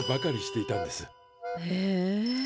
へえ。